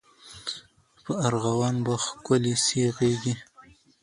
په ارغوان به ښکلي سي غیږي